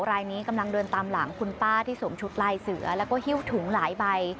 รายนี้กำลังเดินตามหลังคุณป้าที่สวมชุดลายเสือแล้วก็หิ้วถุงหลายใบ